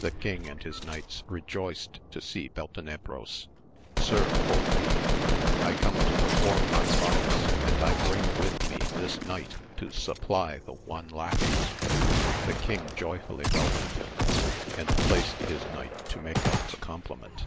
The king and his knights rejoiced to see Beltenebros. Sir, quoth he, I come to perform my promise, and I bring with me this knight to supply the one lacking. The king joyfully welcomed him, and placed his knight to make up the complement.